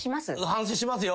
反省しますよ。